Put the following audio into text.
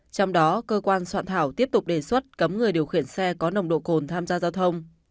trong đó cơ quan soạn thảo tiếp tục đề xuất cấm người điều khiển xe có nồng độ cồn tham gia giao thông